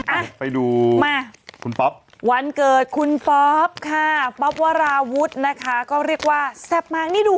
อ้าวไปดูมาคุณวันเกิดคุณค่ะนะคะก็เรียกว่าแซ่บมากนี่ดู